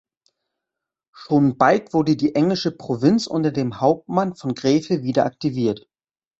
Schon bald wurde die englische Provinz unter dem Hauptmann von Gräfe wieder aktiviert.